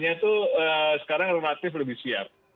itu sekarang relatif lebih siap